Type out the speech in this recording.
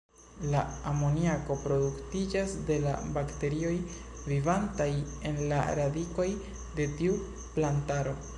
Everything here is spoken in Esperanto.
La amoniako produktiĝas de la bakterioj vivantaj en la radikoj de tiu plantaro.